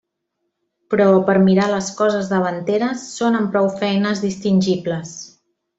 Però per mirar les coses davanteres són amb prou feines distingibles.